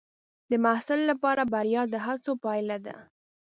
د محصل لپاره بریا د هڅو پایله ده.